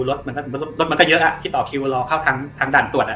รถมันก็รถมันก็เยอะอ่ะที่ต่อคิวรอเข้าทางทางด่านตรวจอ่ะ